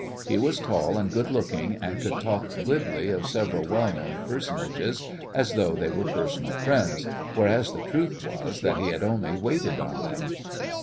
He was tall and good looking, and could talk glibly of several well known personages as though they were personal friends, whereas the truth was that he had only waited on them.